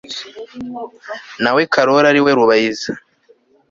Na we Karoli ari we Rubayiza